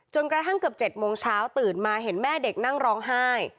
กระทั่งเกือบ๗โมงเช้าตื่นมาเห็นแม่เด็กนั่งร้องไห้